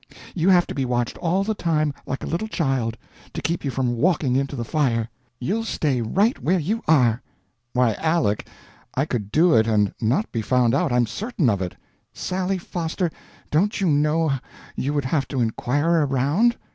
You have to be watched all the time, like a little child, to keep you from walking into the fire. You'll stay right where you are!" "Why, Aleck, I could do it and not be found out I'm certain of it." "Sally Foster, don't you know you would have to inquire around?"